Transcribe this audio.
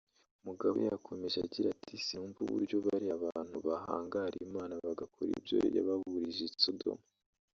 Mugabe yakomeje agira ati “Sinumva uburyo bariya bantu bahangara Imana bagakora ibyo yababurije i Sodoma”